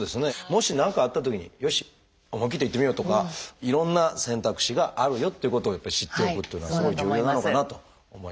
もし何かあったときによし思い切っていってみようとかいろんな選択肢があるよということを知っておくっていうのはすごい重要なのかなと思いました。